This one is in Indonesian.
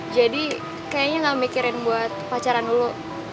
jadi kayaknya gak mikirin buat pacaran dulu